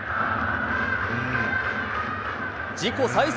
自己最速